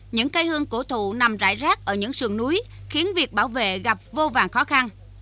những cây hương cổ thụ nằm rải rác ở những sườn núi khiến việc bảo vệ gặp vô vàng khó khăn